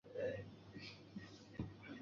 她以精灵和娃娃脸般的外貌而知名。